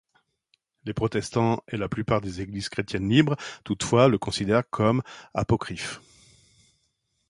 Les protestants et la plupart des églises chrétiennes libres, toutefois, le considèrent comme apocryphe.